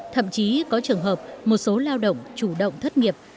thậm chí có trường hợp một số lao động chủ động thất nghiệp